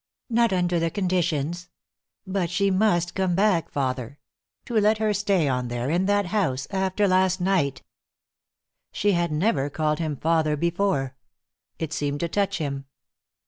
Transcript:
"Not under the conditions. But she must come back, father. To let her stay on there, in that house, after last night " She had never called him "father" before. It seemed to touch him.